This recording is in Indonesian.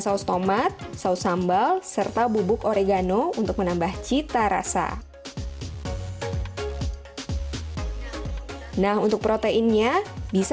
saus tomat saus sambal serta bubuk oregano untuk menambah cita rasa nah untuk proteinnya bisa